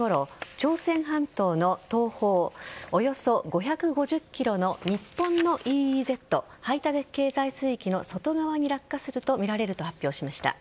朝鮮半島の東方およそ５５０ｋｍの日本のＥＥＺ＝排他的経済水域の外側に落下するとみられると発表しました。